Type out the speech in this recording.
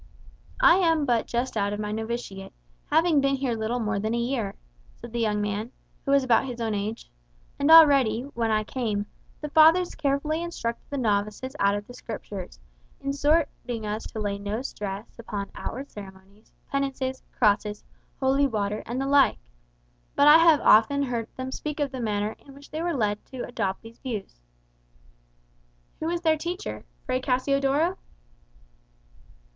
"I am but just out of my novitiate, having been here little more than a year," said the young man, who was about his own age; "and already, when I came, the fathers carefully instructed the novices out of the Scriptures, exhorting us to lay no stress upon outward ceremonies, penances, crosses, holy water, and the like. But I have often heard them speak of the manner in which they were led to adopt these views." "Who was their teacher? Fray Cassiodoro?"